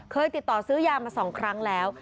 เคยติดต่อซื้อยามา๒ครั้งแล้ว